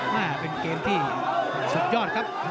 นี่เป็นเกมที่สุดยอดครับครับครับคุณผู้ชม